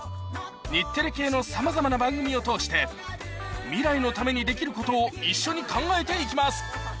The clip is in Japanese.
日テレ系のさまざまな番組を通して未来のためにできることを一緒に考えていきます